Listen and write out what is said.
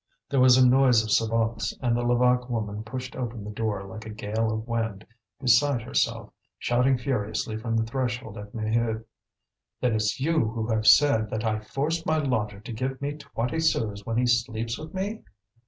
There was a noise of sabots, and the Levaque woman pushed open the door like a gale of wind, beside herself, shouting furiously from the threshold at Maheude: "Then it's you who have said that I forced my lodger to give me twenty sous when he sleeps with me?"